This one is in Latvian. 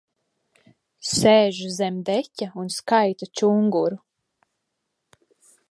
Sēž zem deķa un skaita čunguru.